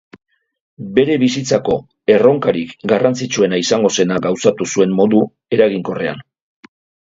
Bere bizitzako erronkarik garrantzitsuena izango zena gauzatu zuen modu eraginkorrean.